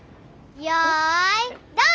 よいドン！